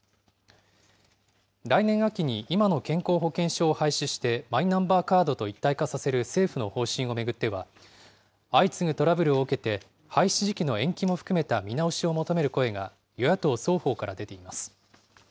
来年秋に今の健康保険証を廃止して、マイナンバーカードと一体化させる政府の方針を巡っては、相次ぐトラブルを受けて、廃止時期の延期も含めた見直しを求める声が、与野党双方から出ています。